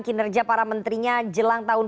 kinerja para menterinya jelang tahun